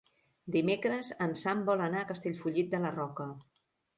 Dimecres en Sam vol anar a Castellfollit de la Roca.